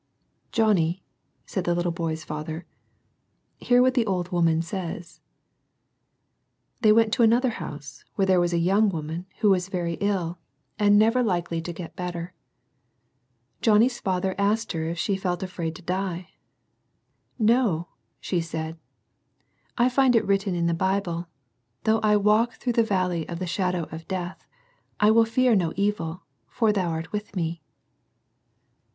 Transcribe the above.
"— "Johnny," said the little boy's father, " hear what the old woman says." They went on to another house, where there was a young woman who was vei^ IVl^^xsL^xss^a^s. 8o SERMONS FOR CHILDREN. likely to get better. Johnny's father asked her if she felt afraid to die. —" No I " she said, " I find it written in the Bible, * Though I walk through the valley of the shadow of death I will fear no evil, for Thou art with me.'